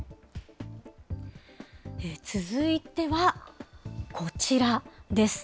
続いてはこちらです。